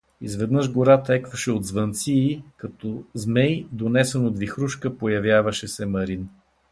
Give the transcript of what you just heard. Изведнъж гората екваше от звънци и, като змей, донесен от вихрушка, появяваше се Марин.